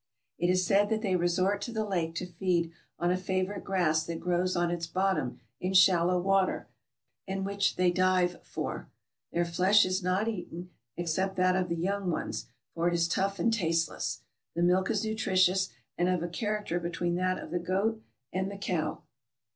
It is said that they resort to the lake to feed on a favorite grass that grows on its bottom in shallow water, and which they dive for. Their flesh is not eaten, except M ISC ELLA NEO US 399 that of the young ones, for it is tough and tasteless. The milk is nutritious, and of a character between that of the goat and the cow.